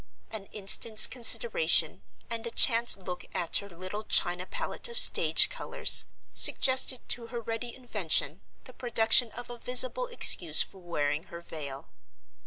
An instant's consideration, and a chance look at her little china palette of stage colors, suggested to her ready invention the production of a visible excuse for wearing her veil.